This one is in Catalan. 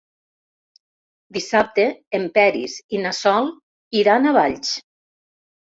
Dissabte en Peris i na Sol iran a Valls.